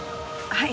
はい。